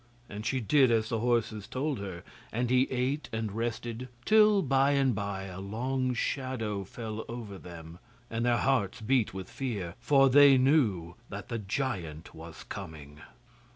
And she did as the horses told her, and he ate and rested, till by and bye a long shadow fell over them, and their hearts beat with fear, for they knew that the giant was coming.